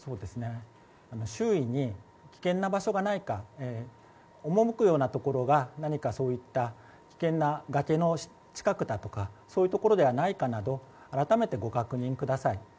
周囲に危険な場所がないか赴くようなところが何か、危険な崖の近くだとかそういうところではないかなど改めてご確認ください。